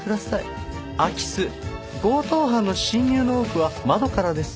空き巣強盗犯の侵入の多くは窓からです。